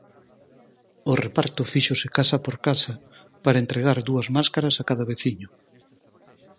O reparto fíxose casa por casa para entregar dúas máscaras a cada veciño.